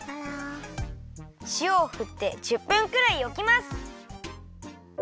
しおをふって１０分くらいおきます。